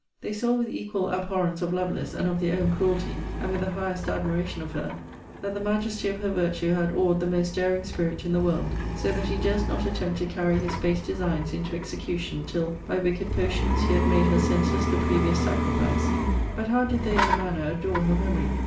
They saw with equal abhorrence of Lovelace, and of their own cruelty, and with the highest admiration of her, that the majesty of her virtue had awed the most daring spirit in the world, so that he durst not attempt to carry his base designs into execution, till, by wicked potions, he had made her senses the previous sacrifice. But how did they in a manner adore her memory!